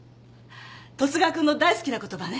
十津川君の大好きな言葉ね。